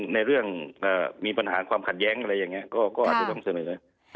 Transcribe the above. ในเรื่องมีปัญหาความขัดแย้งอะไรอย่างนี้ก็จนได้โดยเนี่ย